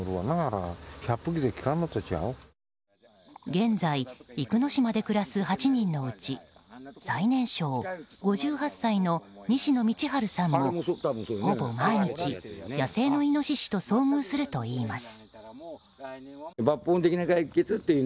現在、生野島で暮らす８人のうち最年少、５８歳の西野道春さんもほぼ毎日、野生のイノシシと遭遇するといいます。